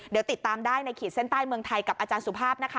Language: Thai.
เดี๋ยวติดตามได้ในขีดเส้นใต้เมืองไทยกับอาจารย์สุภาพนะคะ